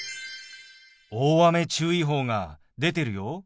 大雨注意報が出てるよ。